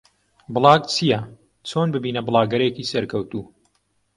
بڵاگ چییە؟ چۆن ببینە بڵاگەرێکی سەرکەوتوو؟